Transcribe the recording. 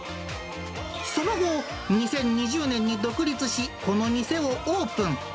その後、２０２０年に独立し、この店をオープン。